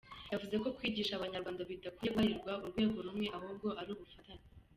Yavuze ko kwigisha abanyarwanda bidakwiye guharirwa urwego rumwe, ahubwo ari ubufatanye.